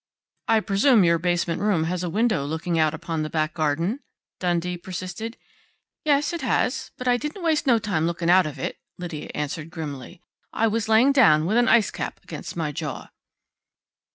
"I presume your basement room has a window looking out upon the back garden?" Dundee persisted. "Yes, it has, but I didn't waste no time looking out of it," Lydia answered grimly. "I was laying down, with an ice cap against my jaw."